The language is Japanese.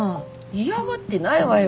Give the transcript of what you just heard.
イヤがってないわよ。